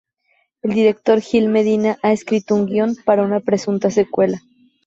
El director Gil Medina ha escrito un guión para una presunta secuela.